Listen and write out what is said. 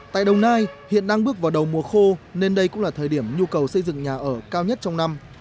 tại đồng nai hiện đang bước vào đầu mùa khô nên đây cũng là thời điểm nhu cầu xây dựng nhà ở cao nhất trong năm